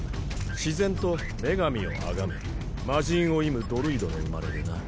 自然と女神を崇め魔神を忌むドルイドの生まれでな。